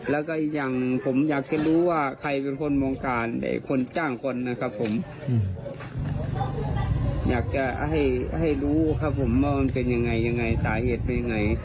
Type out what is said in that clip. แล้วก็อีกอย่างผมอยากจะรู้ว่าใครเป็นคนมองการคนจ้างคนนะครับผมอยากจะให้รู้ครับผมว่ามันเป็นยังไงยังไงสาเหตุเป็นยังไง